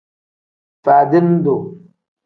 Faadini duu.